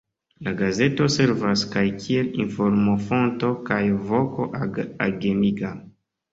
La gazeto servas kaj kiel informofonto kaj voko agemiga.